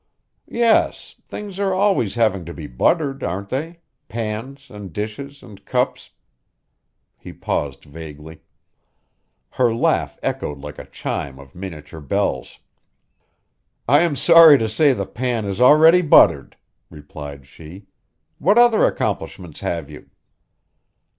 "Yes, things are always having to be buttered, aren't they pans, and dishes, and cups " he paused vaguely. Her laugh echoed like a chime of miniature bells. "I am sorry to say the pan is already buttered," replied she. "What other accomplishments have you?"